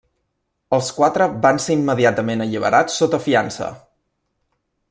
Els quatre van ser immediatament alliberats sota fiança.